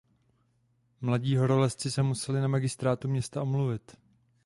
Mladí horolezci se museli na magistrátu města omluvit.